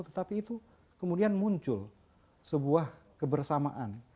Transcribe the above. tetapi itu kemudian muncul sebuah kebersamaan